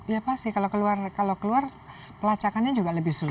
ya pasti kalau keluar pelacakannya juga lebih sulit